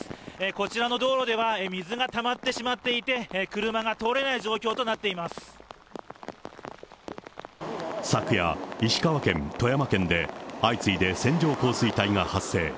こちらの道路では水がたまってしまっていて、車が通れない状況と昨夜、石川県、富山県で相次いで線状降水帯が発生。